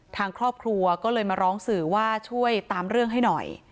ทางครอบครัวก็เลยมาร้องสื่อว่าช่วยตามเรื่องให้หน่อย